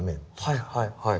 はいはいはい。